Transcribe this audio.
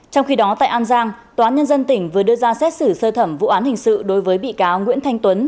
trong khi đó tại an giang tòa án nhân dân tỉnh vừa đưa ra xét xử sơ thẩm vụ án hình sự đối với bị cáo nguyễn thanh tuấn